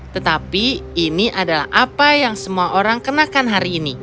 tetapi ini adalah apa yang semua orang kenakan hari ini